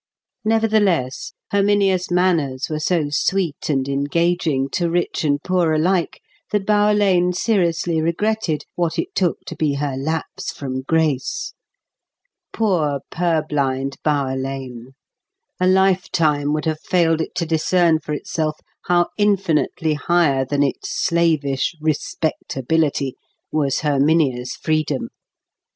Nevertheless, Herminia's manners were so sweet and engaging, to rich and poor alike, that Bower Lane seriously regretted what it took to be her lapse from grace. Poor purblind Bower Lane! A lifetime would have failed it to discern for itself how infinitely higher than its slavish "respectability" was Herminia's freedom.